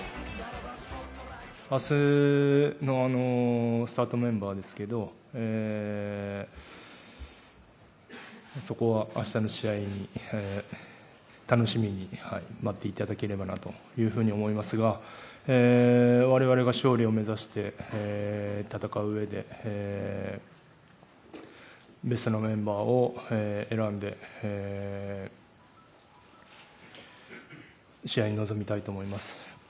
明日のスタートメンバーですけどそこは、あしたの試合を楽しみに待っていただければなと思いますが我々が勝利を目指して戦ううえでベストなメンバーを選んで試合に臨みたいと思います。